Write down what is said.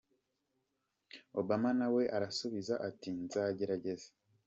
Obama na we arasubiza, ati “ nzagerageza.